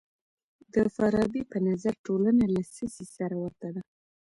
د فارابي په نظر ټولنه له څه سي سره ورته ده؟